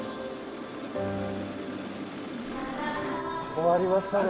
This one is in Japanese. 終わりましたね。